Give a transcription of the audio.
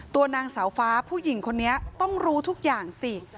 ตัวนางสาวฟ้าผู้หญิงคนนี้ต้องรู้ทุกอย่างสิ